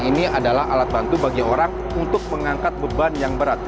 ini adalah alat bantu bagi orang untuk mengangkat beban yang berat